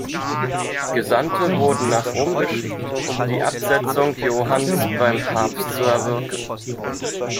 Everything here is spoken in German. Gesandte wurden nach Rom geschickt, um die Absetzung Johanns beim Papst zu erwirken.